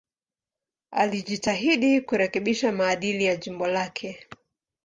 Alijitahidi kurekebisha maadili ya jimbo lake.